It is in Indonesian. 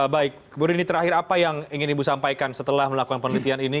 baik bu rini terakhir apa yang ingin ibu sampaikan setelah melakukan penelitian ini